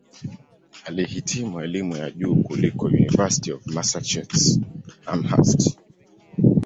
Alihitimu elimu ya juu huko "University of Massachusetts-Amherst".